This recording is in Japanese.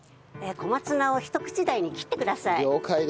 小松菜をひと口大に切ってください。